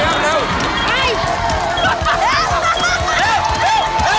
นั่งเร็ว